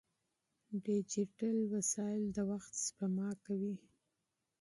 ډیجیټل وسایل د وخت سپما کوي.